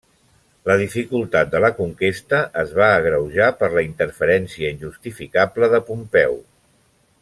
La dificultat de la conquesta es va agreujar per la interferència injustificable de Pompeu.